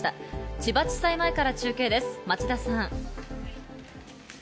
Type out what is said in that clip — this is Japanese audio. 千葉地裁前から中継です、町田さん。